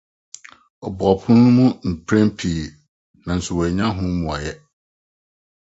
Ɔbɔɔ pon no mu mpɛn pii, nanso wannya ho mmuae biara.